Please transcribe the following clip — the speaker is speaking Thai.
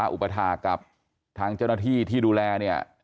อุปถาคกับทางเจ้าหน้าที่ที่ดูแลเนี่ย